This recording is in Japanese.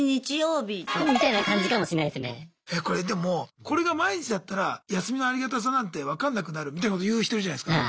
これでもこれが毎日だったら休みのありがたさなんて分かんなくなるみたいなこと言う人いるじゃないすか。